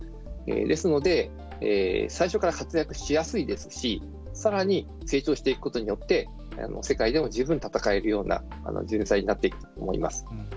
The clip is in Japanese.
ですので、最初から活躍しやすいですしさらに成長していくことによって世界でも十分戦えるような人材になっていくと思います。